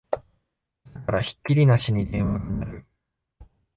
朝からひっきりなしに電話が鳴る